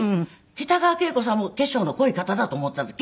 北川景子さんも化粧の濃い方だと思っていたんです。